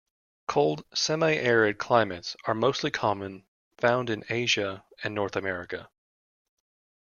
Cold semi-arid climates are most commonly found in Asia and North America.